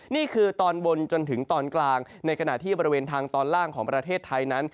นี่คือตอนบนจนถึงตอนกลางในขณะที่บริเวณทางตอนล่างของประเทศไทยนั้น